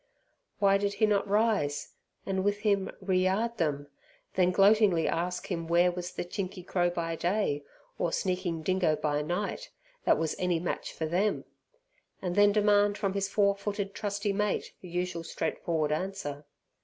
Why did he not rise, and with him re yard them, then gloatingly ask him where was the chinky crow by day, or sneaking dingo by night, that was any match for them, and then demand from his four footed trusty mate the usual straightforward answer?